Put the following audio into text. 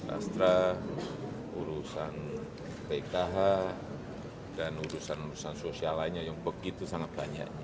astra urusan pkh dan urusan urusan sosial lainnya yang begitu sangat banyak